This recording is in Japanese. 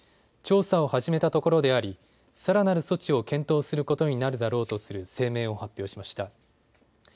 調査を始めたところでありさらなる措置を検討することになるだろうとする声明を発表しました。